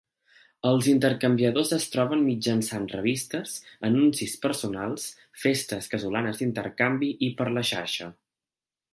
Els intercanviadors es troben mitjançant revistes, anuncis personals, festes casolanes d'intercanvi i per la xarxa.